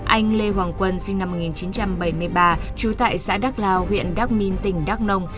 anh lê hoàng quân sinh năm một nghìn chín trăm bảy mươi ba trú tại xã đắk lao huyện đắc minh tỉnh đắk nông